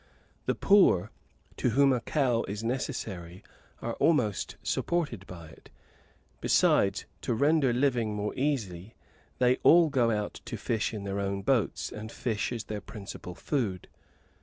The poor, to whom a cow is necessary, are almost supported by it. Besides, to render living more easy, they all go out to fish in their own boats, and fish is their principal food.